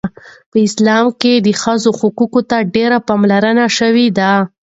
په اسلام کې د ښځو حقوقو ته ډیره پاملرنه شوې ده.